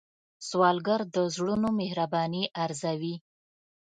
سوالګر د زړونو مهرباني ارزوي